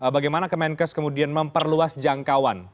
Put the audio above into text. bagaimana kemenkes kemudian memperluas jangkauan